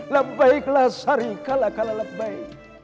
lebayklah sari kala kala lebay